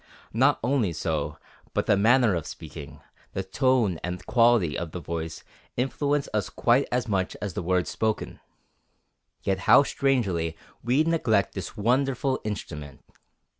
Not only so, but the manner of speaking, the tone and quality of the voice influence us quite as much as the words spoken. Yet how strangely we neglect this wonderful instrument.